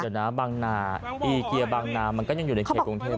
เดี๋ยวนะบางนาอีเกียบางนามันก็ยังอยู่ในเขตกรุงเทพ